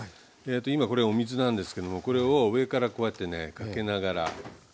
今これお水なんですけどもこれを上からこうやってねかけながら。